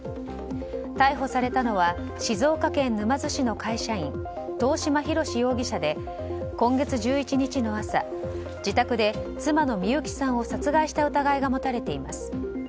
逮捕されたのは静岡県沼津市の会社員遠嶋博志容疑者で今月１１日の朝自宅で妻のみゆきさんを殺害した疑いが持たれています。